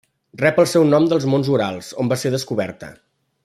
Rep el seu nom dels monts Urals, on va ser descoberta.